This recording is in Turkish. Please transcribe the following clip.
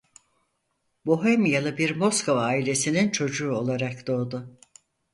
Bohemyalı bir Moskova ailesinin çocuğu olarak doğdu.